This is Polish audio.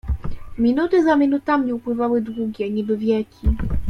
"Minuty za minutami upływały długie, niby wieki."